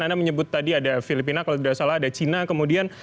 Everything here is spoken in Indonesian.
anda menyebut tadi ada filipina kalau tidak salah ada cina kemudian